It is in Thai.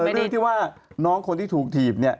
เรื่องที่ว่าน้องคนที่ถูกทีบ